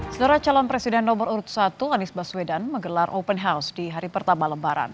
setelah calon presiden nomor urut satu anies baswedan menggelar open house di hari pertama lebaran